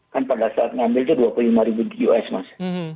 kan pada saat ngambil itu rp dua puluh lima mas